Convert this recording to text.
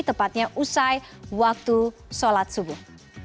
tepatnya usai waktu sholat subuh